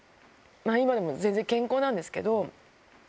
今でも全然健康なんですけど。